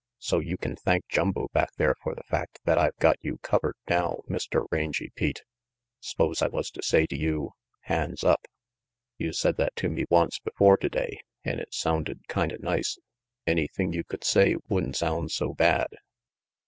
So you can thank Jumbo back there for the fact that I've got you covered now, Mr. Rangy Pete. S'pose I was to say to you, * Hands up'?" "You said that to me once before today, an' it sounded kinda nice. Anything you could say would'n sound so bad."